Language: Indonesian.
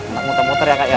nak muter muter ya kak ya